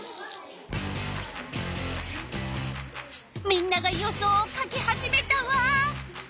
みんなが予想をかき始めたわ。